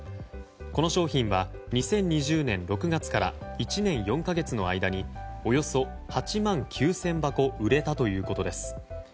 この商品は２０２０年６月から１年４か月の間におよそ８万９０００箱売れたということです。